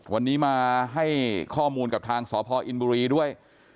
วันนี้มาให้ข้อมูลกับทางสพอินบุรีด้วย